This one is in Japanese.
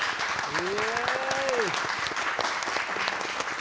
え！